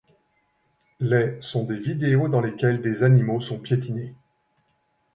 Les ' sont des vidéos dans lesquelles des animaux sont piétinés.